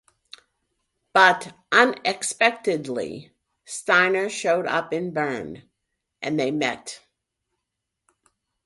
But unexpectedly Steiner showed up in Bern and they met.